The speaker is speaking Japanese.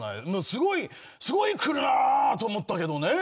すごいすごいくるなと思ったけどね。